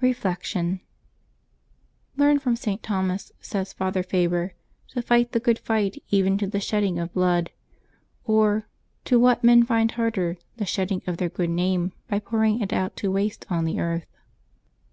Reflection. —*' Learn from St. Thomas," says Father Faber, "to fight the good fight even to the shedding of blood, or, to what men find harder, the shedding of their good name by pouring it out to waste on the earth."